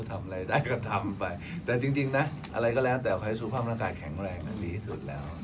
ทำอะไรได้ก็ทำไปแต่จริงนะอะไรก็แล้วแต่ขอให้สุขภาพร่างกายแข็งแรงนั้นดีที่สุดแล้ว